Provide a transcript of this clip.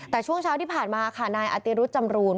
แต่ช่วงเช้าที่ผ่านมาค่ะนายอติรุธจำรูน